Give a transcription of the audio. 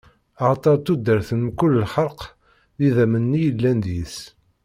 Axaṭer tudert n mkul lxelq, d idammen-nni yellan deg-s.